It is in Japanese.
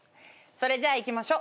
それじゃあいきましょ。